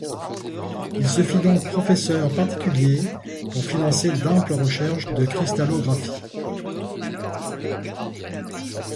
Il se fit donc professeur particulier pour financer d’amples recherches de cristallographie.